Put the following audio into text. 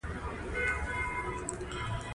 چې د ده د لیکلو د مېز پر سر ایښی و سترګې ولګېدې.